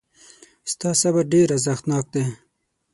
ستا صبر ډېر ارزښتناک دی.